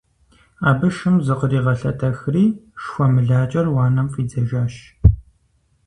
Абы шым зыкъригъэлъэтэхри шхуэмылакӀэр уанэм фӀидзэжащ.